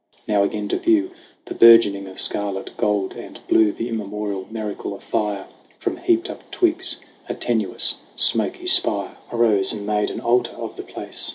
Now again to view The burgeoning of scarlet, gold and blue, The immemorial miracle of fire ! From heaped up twigs a tenuous smoky spire 84 SONG OF HUGH GLASS Arose, and made an altar of the place.